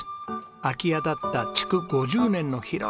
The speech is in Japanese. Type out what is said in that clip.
空き家だった築５０年の広い家です。